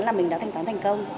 là mình đã thanh toán thành công